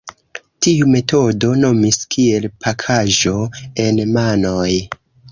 Tiu metodo nomis kiel "Pakaĵo en manoj".